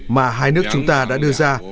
mà hai nước chúng ta đã đưa ra